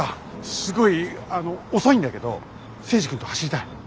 すごいあの遅いんだけど征二君と走りたい。